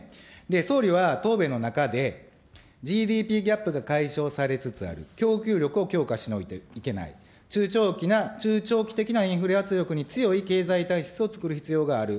総理は答弁の中で、ＧＤＰギャップが解消されつつある、供給力を強化しないといけない、中長期な、中長期的なインフレ圧力に強い経済対策を作る必要がある。